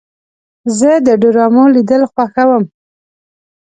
زه د ډرامو لیدل خوښوم.